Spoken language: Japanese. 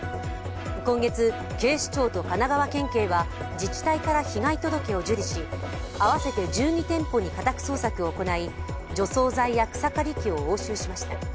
今月、警視庁と神奈川県警は自治体から被害届を受理し合わせて１２店舗に家宅捜索を行い除草剤や草刈り機を押収しました。